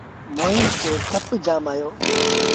موهيݩ کي تپ جآم اهي۔